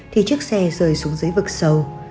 thì chiếc xe rời xuống dưới vực sầu